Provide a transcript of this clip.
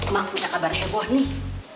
mah punya kabar heboh nih